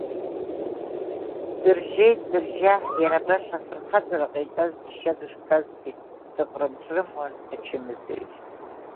Дыржьеит дыржьа, иара баша афырхаҵара ҟаиҵаз џьшьа дышцазгьы, дыҟрымҿрымуан ачымазаҩ.